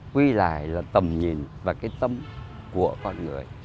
quy lại là tầm nhìn và cái tâm của con người